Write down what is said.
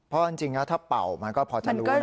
เพราะจริงแล้วถ้าเป่ามันก็พอจะรู้นะ